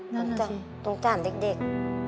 นั่นแหละที่ต้องจัดเด็ก